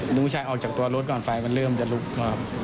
ดึงผู้ชายออกจากตัวรถก่อนไฟล์มันเริ่มจะลุก